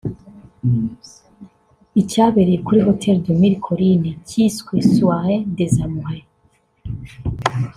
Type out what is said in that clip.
icyabereye kuri Hotel de Mille Collines (cyiswe soirée des amoureux)